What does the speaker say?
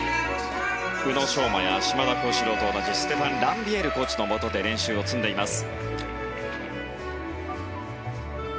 宇野昌磨や島田高志郎と同じステファン・ランビエールコーチのもとで練習を積んでいます。